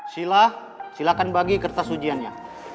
silahkan bagi kertas ujiannya